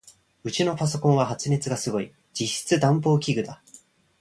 ウチのパソコンは発熱がすごい。実質暖房器具だ。